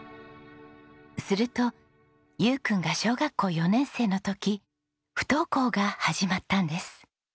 すると悠君が小学校４年生の時不登校が始まったんです。